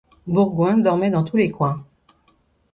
Bourgoin dormait dans tous les coins.